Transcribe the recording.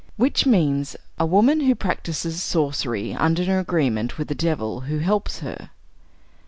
Witch means, a woman who practices sorcery under an agreement with the devil, who helps her.